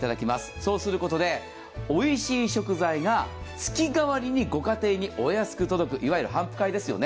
そうすることでおいしい食材が月がわりにご家庭にお安く届く、いわゆる頒布会ですよね。